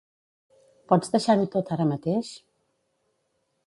Pots deixar-ho tot ara mateix?